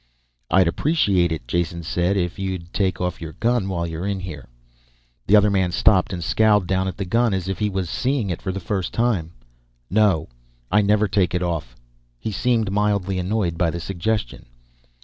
"I'd appreciate it," Jason said, "if you'd take off your gun while you're in here." The other man stopped and scowled down at the gun as if he was seeing it for the first time. "No, I never take it off." He seemed mildly annoyed by the suggestion.